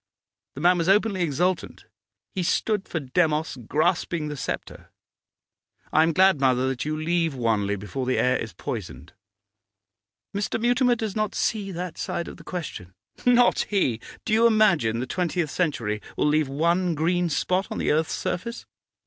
The man was openly exultant; he stood for Demos grasping the sceptre. I am glad, mother, that you leave Wanley before the air is poisoned.' 'Mr. Mutimer does not see that side of the question?' 'Not he! Do you imagine the twentieth century will leave one green spot on the earth's surface?